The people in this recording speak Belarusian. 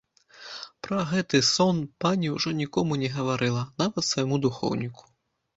Пра гэты сон пані ўжо нікому не гаварыла, нават свайму духоўніку.